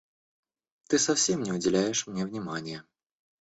Ты совсем не уделяешь мне внимания!